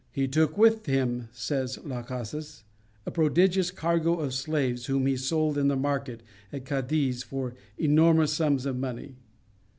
"He took with him," says Las Casas, "a prodigious cargo of slaves, whom he sold in the market at Cadiz for enormous sums of money."